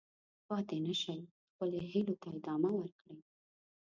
پاتې نه شئ، خپلو هیلو ته ادامه ورکړئ.